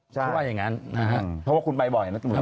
เพราะว่าอย่างงั้นนะฮะเพราะว่าคุณไปบ่อยนะ